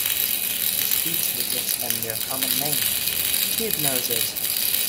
This feature gives them their common name, tubenoses.